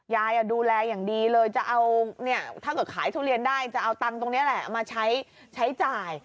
ยายดูแลอย่างดีเลยจะเอาถ้าเกิดขายทุเรียนได้จะเอาตังค์ตรงนี้แหละมาใช้จ่าย